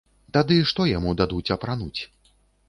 Тады што яму дадуць апрануць?